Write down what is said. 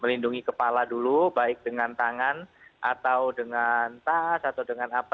melindungi kepala dulu baik dengan tangan atau dengan tas atau dengan apa